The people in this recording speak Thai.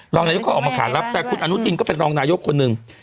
รองนายกก็ออกมาขารับแต่คุณอนุทินก็เป็นรองนายกคนหนึ่ง